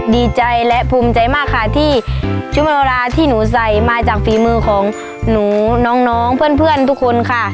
ดีใจและภูมิใจมากค่ะที่ช่วงเวลาที่หนูใส่มาจากฝีมือของหนูน้องเพื่อนทุกคนค่ะ